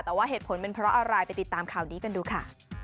แต่ว่าเหตุผลเป็นเพราะอะไรไปติดตามข่าวนี้กันดูค่ะ